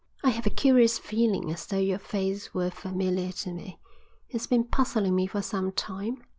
"I have a curious feeling as though your face were familiar to me. It's been puzzling me for some time.